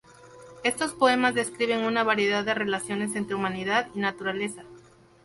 Estos poemas describen una variedad de relaciones entre humanidad y naturaleza.